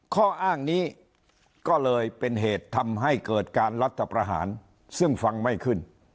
ข้ออ้างนี้ก็เลยเป็นเหตุทำให้เกิดการรัฐประหารซึ่งฟังไม่ขึ้น